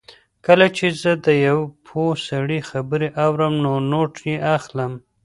کله چې زه د یو پوه سړي خبرې اورم نو نوټ یې اخلم.